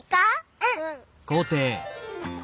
うん！